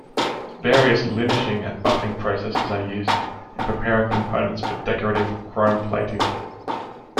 Various linishing and buffing processes are used in preparing components for decorative chrome plating.